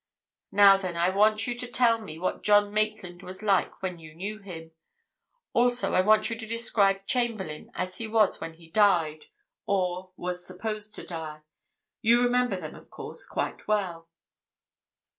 "Now, then, I want you to tell me what John Maitland was like when you knew him. Also, I want you to describe Chamberlayne as he was when he died, or was supposed to die. You remember them, of course, quite well?"